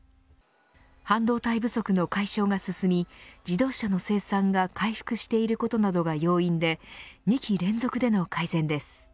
半導体不足の解消が進み自動車の生産が回復していることなどが要因で２期連続での改善です。